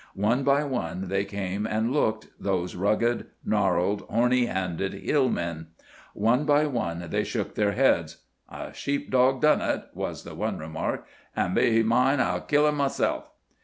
One by one they came and looked, those rugged, gnarled, horny handed hill men. One by one they shook their heads. "A sheep dog done it," was the one remark; "an' be he mine, I'll kill 'im myself!"